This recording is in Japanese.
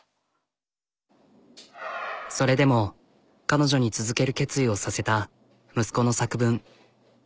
それでも彼女に続ける決意をさせた息子の作文。